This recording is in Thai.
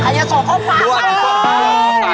ใครจะส่งข้อพัก